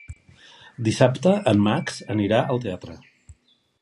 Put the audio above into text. Dissabte en Max anirà al teatre.